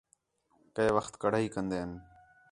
کَئے وخت کڑاہی کندین